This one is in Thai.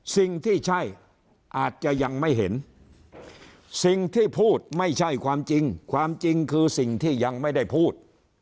สิ่งที่ใช่อาจจะยังไม่เห็นสิ่งที่พูดไม่ใช่ความจริงความจริงคือสิ่งที่ยังไม่ได้พูด